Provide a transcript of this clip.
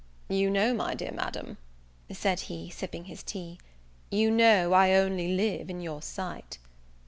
"You know, dear Madam," said he, sipping his tea, "you know I only live in your sight."